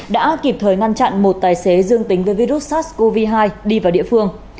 đã kịp thời ngăn chặn một tài xế dương tính với virus sars cov hai đi vào địa phương